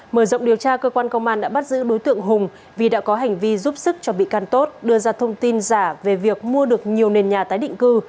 mở rộng điều tra cơ quan công an đã bắt giữ đối tượng hùng vì đã có hành vi giúp sức cho bị can tốt đưa ra thông tin giả về việc mua được nhiều nền nhà tái định cư